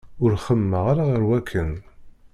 Ur xemmemeɣ ara ɣer wakken.